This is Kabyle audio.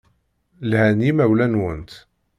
Lhan yimawlan-nwent.